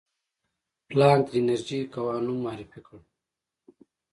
پلانک د انرژي کوانوم معرفي کړ.